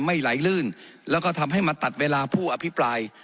ไหลลื่นแล้วก็ทำให้มาตัดเวลาผู้อภิปราย